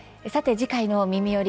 次回の「みみより！